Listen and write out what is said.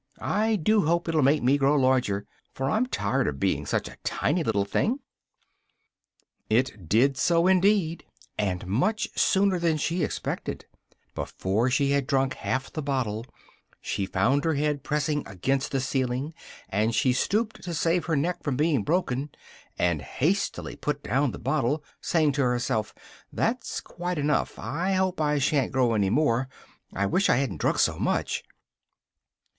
I do hope it'll make me grow larger, for I'm quite tired of being such a tiny little thing!" It did so indeed, and much sooner than she expected: before she had drunk half the bottle, she found her head pressing against the ceiling, and she stooped to save her neck from being broken, and hastily put down the bottle, saying to herself "that's quite enough I hope I sha'n't grow any more I wish I hadn't drunk so much!"